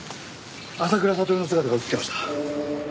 浅倉悟の姿が映っていました。